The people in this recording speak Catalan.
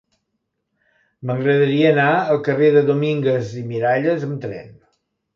M'agradaria anar al carrer de Domínguez i Miralles amb tren.